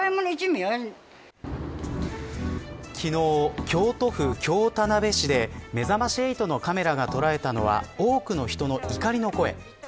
昨日、京都府京田辺市でめざまし８のカメラが捉えたのは多くの人の怒りの声。